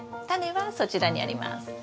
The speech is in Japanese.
タネはそちらにあります。